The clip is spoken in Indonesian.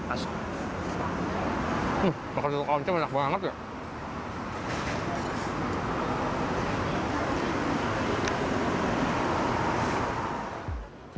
masaknya enak banget ya